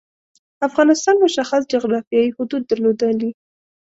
افغانستان مشخص جعرافیايی حدود درلودلي.